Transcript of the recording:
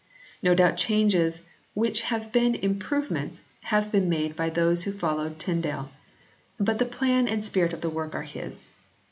No doubt changes which have been improve ments have been made by those who followed Tyn dale ; but the plan and spirit of the work are his.